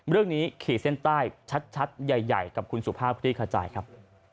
เรื่องนี้ขี่เส้นใต้ชัดใหญ่กับคุณสุภาพพี่น้องประชาชนครับ